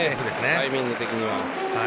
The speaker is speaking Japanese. タイミング的には。